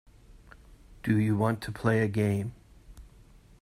Do you want to play a game.